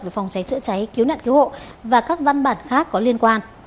về phòng cháy chữa cháy cứu nạn cứu hộ và các văn bản khác có liên quan